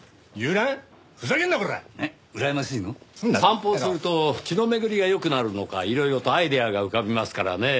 散歩をすると血の巡りが良くなるのかいろいろとアイデアが浮かびますからねぇ。